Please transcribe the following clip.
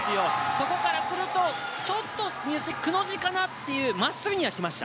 そこからするとちょっと入水がくの字かなという真っすぐには来ました。